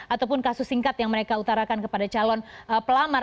ataupun kasus singkat yang mereka utarakan kepada calon pelamar